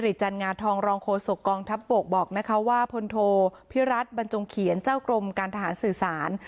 จันงาทองรองโฆษกองทัพบกบอกนะคะว่าพลโทพิรัตนบรรจงเขียนเจ้ากรมการทหารสื่อสาร